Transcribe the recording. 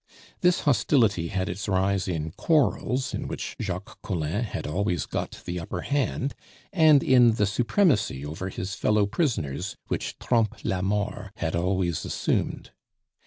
This hostility had its rise in quarrels in which Jacques Collin had always got the upper hand, and in the supremacy over his fellow prisoners which Trompe la Mort had always assumed.